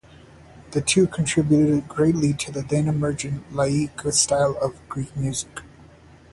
The two contributed greatly to the then-emerging laika style of Greek music.